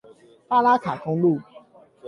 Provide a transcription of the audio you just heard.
巴拉卡公路